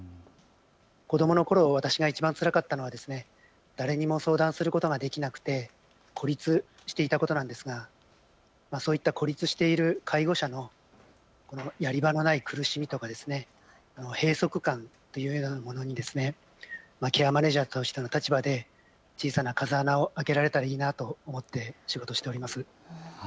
子どものころ私がいちばんつらかったのは誰にも相談することができなくて孤立していたことなんですがそういった孤立している介護者のやり場のない苦しみとか閉塞感というようなものにケアマネージャーとしての立場で小さな風穴を開けられたらいいなと思って仕事をしております。